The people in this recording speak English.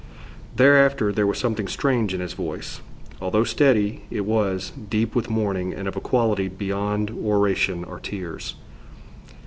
Thereafter there was something strange in his voice. Although steady, it was, deep with mourning, and of a quality beyond oration or tears.